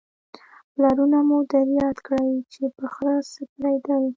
پلرونه مو در یاد کړئ چې په خره سپرېدل